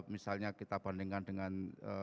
misalnya kita bandingkan dengan